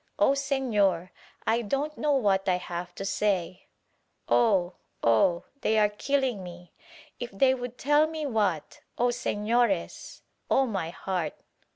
Oh Senor, I don't know what I have to say — Oh I Oh ! they are killing me — if they would tell me what — Oh, Senores ! Oh, my heart!"